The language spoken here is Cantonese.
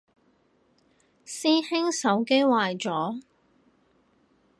師兄手機壞咗？